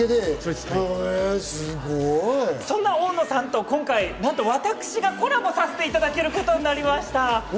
そんな大野さんと今回、私がコラボさせていただけることになりました。